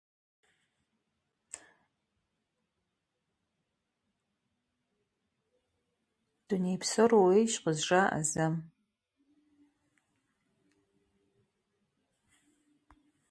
Он установит все дополнительные компоненты для программы установки